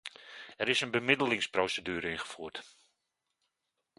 Er is een bemiddelingsprocedure ingevoerd.